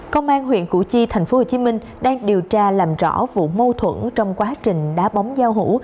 công an huyện củ chi tp hcm đang điều tra làm rõ vụ mâu thuẫn trong quá trình đá bóng giao hủ